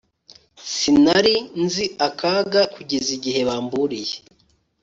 sinari nzi akaga kugeza igihe bamburiye